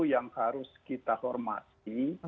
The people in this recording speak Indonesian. yang harus kita hormati